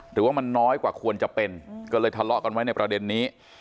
หรือว่ามันน้อยกว่าควรจะเป็นก็เลยทะเลาะกันไว้ในประเด็นนี้